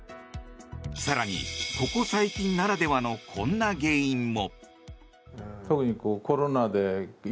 更に、ここ最近ならではのこんな原因も。